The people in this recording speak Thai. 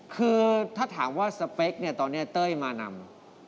คือถ้าถามว่าสเปคเนี่ยตอนนี้เต้ยมานำ